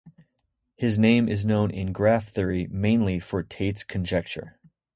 His name is known in graph theory mainly for Tait's conjecture.